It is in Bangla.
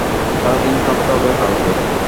সারাদিন খাটতে হবে কালকে।